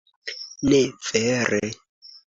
Ne vere.